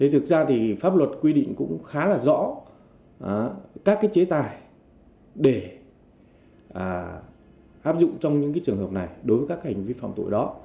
thực ra thì pháp luật quy định cũng khá là rõ các chế tài để áp dụng trong những trường hợp này đối với các hành vi phạm tội đó